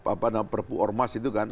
apa namanya perpu ormas itu kan